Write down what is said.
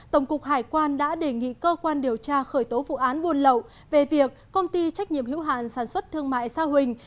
tổng cục hải quan đã đề nghị cơ quan điều tra khởi tố vụ án buôn lậu về việc công ty trách nhiệm hữu hạn sản xuất thương mại sa huỳnh